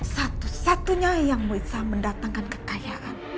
satu satunya yang bisa mendatangkan kekayaan